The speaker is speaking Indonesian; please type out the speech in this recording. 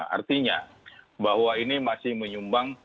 artinya bahwa ini masih menyumbang